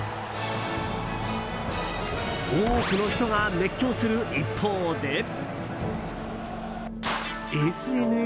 多くの人が熱狂する一方でＳＮＳでは。